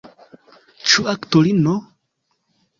Ĉu aktorino?